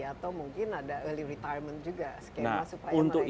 atau mungkin ada early retirement juga